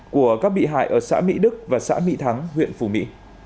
của các bị hại ở xã mỹ đức và xã mỹ thắng huyện phù mỹ